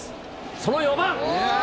その４番。